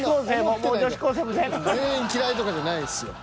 全員嫌いとかじゃないっすよ。